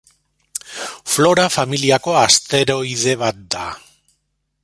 Flora familiako asteroide bat da.